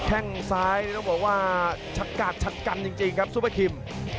แค่งซ้ายต้องบอกว่าชะกาดฉัดกันจริงครับซุปเปอร์คิม